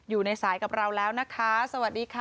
อยู่ในสายกับเราแล้วนะคะสวัสดีค่ะ